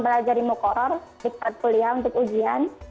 belajari mukhoror di pertulian untuk ujian